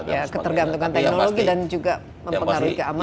ya ketergantungan teknologi dan juga mempengaruhi keamanan